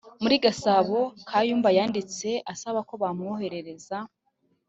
muri Gasabo kayumba Yanditse asaba ko bamworohereza